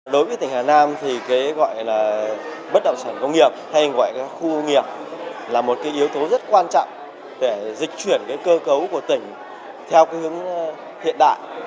đối với tỉnh hà nam thì cái gọi là bất động sản công nghiệp hay gọi là khu công nghiệp là một cái yếu tố rất quan trọng để dịch chuyển cơ cấu của tỉnh theo cái hướng hiện đại